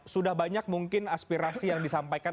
sudah banyak mungkin aspirasi yang disampaikan